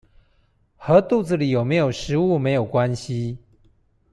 和肚子裡有沒有食物沒有關係